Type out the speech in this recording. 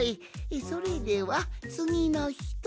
それではつぎのひと！